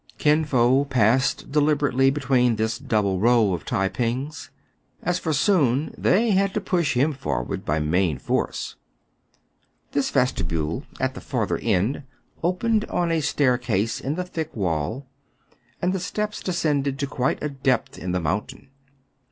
Kin Fo passed deliberately between this double row of Tai pings. As for Soun, they had to push him forward by main force. This vestibule, at the farther end, opened on a staircase in the thick wall, and the steps descended to quite a depth in the mountain.